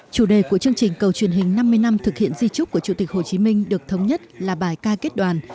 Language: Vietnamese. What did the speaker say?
chủ đề của chương trình cầu truyền hình năm mươi năm thực hiện di trúc của chủ tịch hồ chí minh được thống nhất là bài ca kết đoàn